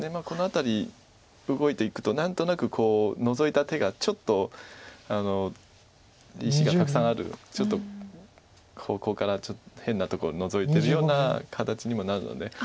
この辺り動いていくと何となくこうノゾいた手がちょっと石がたくさんある方向からちょっと変なところをノゾいているような形にもなるので。